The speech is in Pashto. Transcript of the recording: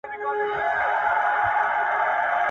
• خېشکي، چي ډوډۍ خوري دروازې پېش کي.